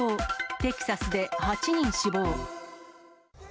テキサスで８人死亡。